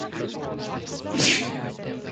I don't have any ideas in my brain anymore